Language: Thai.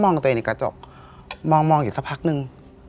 กับตัวเองในกระจกมองอยู่สักพักนึง